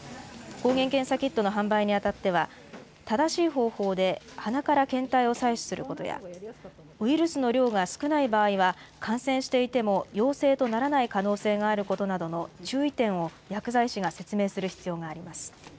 抗原検査キットの販売にあたっては、正しい方法で鼻から検体を採取することや、ウイルスの量が少ない場合は、感染していても、陽性とならない可能性があることなどの注意点を薬剤師が説明する必要があります。